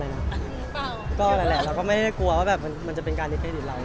รู้เปล่าก็อะไรแหละก็ไม่ได้กลัวว่าแบบมันจะเป็นการลิฟท์เครดิตเรา